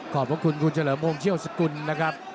ขอบคุณคุณเฉลิมวงเชี่ยวสกุลนะครับ